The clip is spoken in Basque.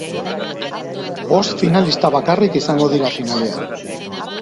Bost finalista bakarrik izango dira finalean.